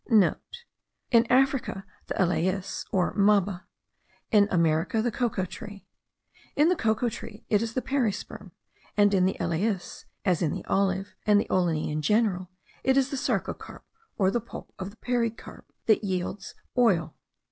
(* In Africa, the elais or maba; in America the cocoa tree. In the cocoa tree it is the perisperm; and in the elais (as in the olive, and the oleineae in general) it is the sarcocarp, or the pulp of the pericarp, that yields oil.